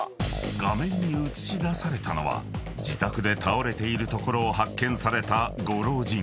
［画面に映し出されたのは自宅で倒れているところを発見されたご老人］